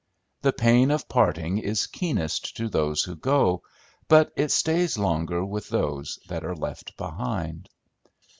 The pain of parting is keenest to those who go, but it stays longer with those that are left behind.